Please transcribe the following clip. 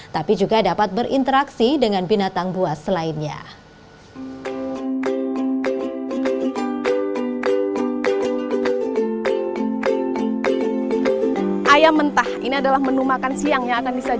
tapi juga dapat berinteraksi dengan binatang buah selainnya